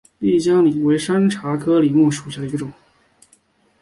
丽江柃为山茶科柃木属下的一个种。